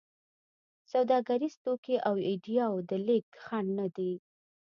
سوداګریز توکي او ایډیاوو د لېږد خنډ نه دی.